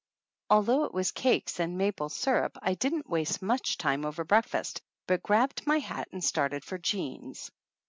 Although it was cakes and maple syrup I didn't waste much time over breakfast, but grabbed my hat and started for Jean's.